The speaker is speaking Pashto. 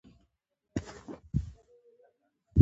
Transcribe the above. غول د ناروغۍ د لوری سنجش دی.